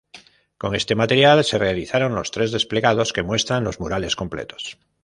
Con este material, se realizaron los tres desplegados que muestran los murales completos.